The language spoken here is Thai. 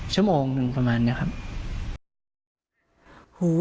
ชั่วโมงหนึ่งประมาณนี้ครับ